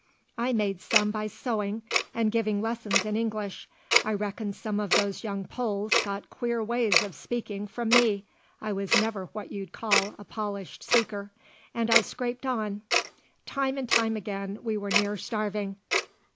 I made some by sewing and giving lessons in English I reckon some of those young Poles got queer ways of speaking from me, I was never what you'd call a polished speaker and I scraped on. Time and time again we were near starving.